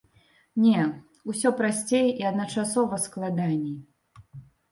Не, усё прасцей і адначасова складаней.